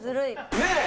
ねえ！